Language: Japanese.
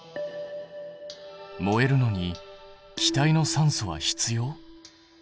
燃えるのに気体の酸素は必要？